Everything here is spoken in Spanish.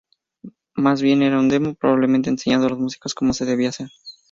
Más bien era un demo, probablemente enseñando a los músicos cómo se debía hacer.